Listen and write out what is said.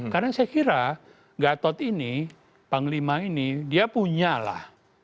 karena saya kira gatot ini panglima ini dia punya lah